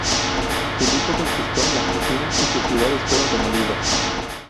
Filipo conquistó la Fócida y sus ciudades fueron demolidas.